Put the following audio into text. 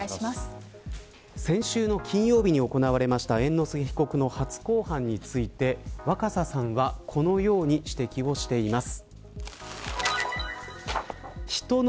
先週の金曜日に行われました猿之助被告の初公判について若狭さんはこのように指摘をしています。